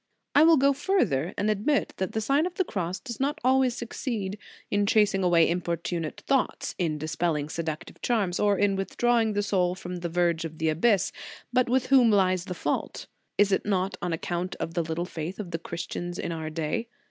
I will go further, and admit that the Sign of the Cross does not always succeed in phasing away importunate thoughts, in dis pelling seductive charms, or in withdrawing the soul from the verge of the abyss ; but with whom lies the fault? Is it not on account of the little faith of the Christians of our day?